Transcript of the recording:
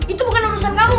itu bukan urusan kamu